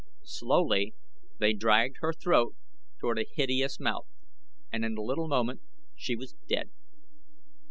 Slowly they dragged her throat toward a hideous mouth and in a little moment she was dead.